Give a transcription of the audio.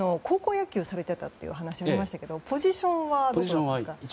高校野球をされていたという話がありましたがポジションはどこでしたか？